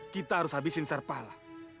kita harus menghabiskan sarpala